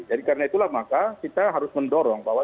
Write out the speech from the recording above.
jadi karena itulah maka kita harus mendorong bahwa